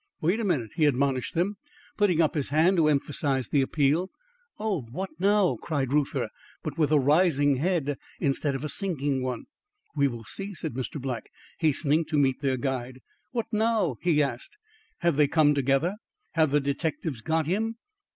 "Wait a minute," he admonished them, putting up his hand to emphasise the appeal. "Oh, what now?" cried Reuther, but with a rising head instead of a sinking one. "We will see," said Mr. Black, hastening to meet their guide. "What now?" he asked. "Have they come together? Have the detectives got him?"